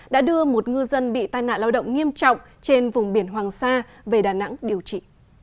đã đưa một ngư dân bị tai nạn lao động nghiêm trọng trên vùng biển hoàng sa về đà nẵng điều trị